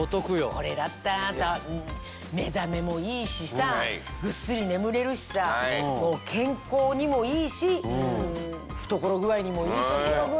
これだったら目覚めもいいしさぐっすり眠れるしさ健康にもいいし懐具合にもいいし。